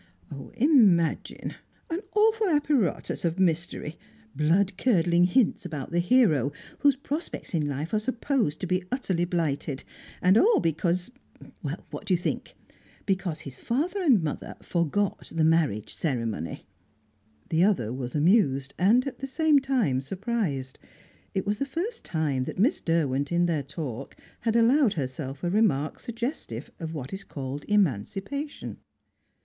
"Imagine! An awful apparatus of mystery; blood curdling hints about the hero, whose prospects in life are supposed to be utterly blighted. And all because what do you think? Because his father and mother forgot the marriage ceremony." The other was amused, and at the same time surprised. It was the first time that Miss Derwent, in their talk, had allowed herself a remark suggestive of what is called "emancipation."